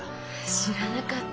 知らなかった。